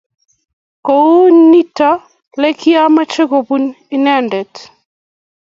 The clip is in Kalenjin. Kou nitok le kiamoche kopun inyendet.